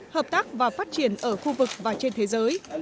hợp tác và phát triển ở khu vực và trên thế giới